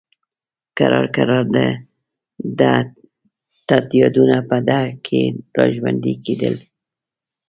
کرار کرار د ده تت یادونه په ده کې را ژوندي کېدل.